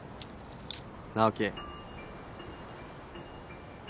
直樹。